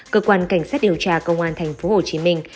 cơ quan cảnh sát điều tra công an thành phố hồ chí minh